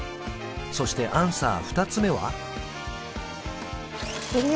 そしてアンサー２つ目は？